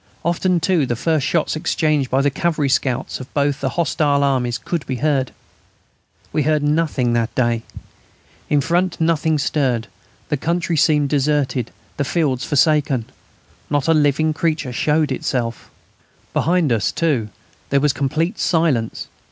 Often, too, the first shots exchanged by the cavalry scouts of both the hostile armies could be heard. We heard nothing that day. In front nothing stirred: the country seemed deserted; the fields forsaken. Not a living creature showed itself. Behind us, too, there was complete silence.